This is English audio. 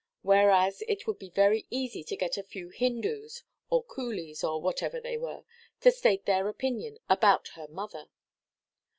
Whereas it would be very easy to get a few Hindoos, or Coolies, or whatever they were, to state their opinion about her mother.